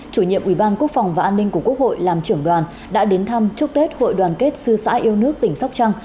chủ nhiệm ủy ban quốc phòng và an ninh của quốc hội làm trưởng đoàn đã đến thăm chúc tết hội đoàn kết sư xã yêu nước tỉnh sóc trăng